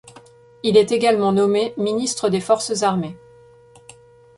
Il est également nommé ministre des Forces armées.